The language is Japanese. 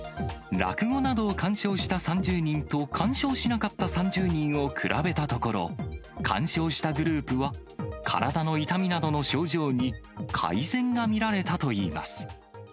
落語などを鑑賞した３０人と鑑賞しなかった３０人を比べたところ、鑑賞したグループは、体の痛みなどの症状に改善が見られたといいます。